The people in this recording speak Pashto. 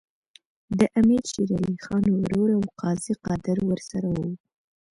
د امیر شېر علي خان ورور او قاضي قادر ورسره وو.